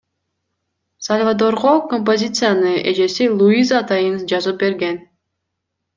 Сальвадорго композицияны эжеси Луиза атайын жазып берген.